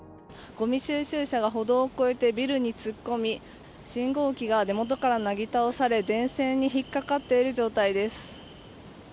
ごみ収集車が歩道を越えてビルに突っ込み、信号機が根元からなぎ倒され電線に引っかかっている状態です。